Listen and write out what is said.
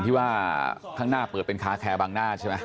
ที่ว่าข้างหน้าเปิดเป็นคาแคร์บางหน้าใช่ไหม